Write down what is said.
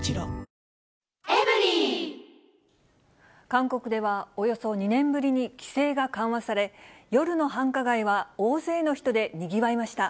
韓国では、およそ２年ぶりに規制が緩和され、夜の繁華街は大勢の人でにぎわいました。